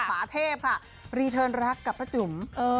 ป่าเทพค่ะรีเทิร์นรักกับป้าจุ๋ม